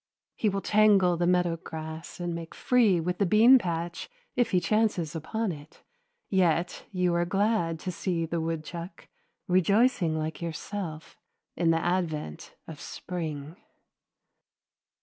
He will tangle the meadow grass and make free with the bean patch if he chances upon it, yet you are glad to see the woodchuck, rejoicing like yourself in the advent of spring.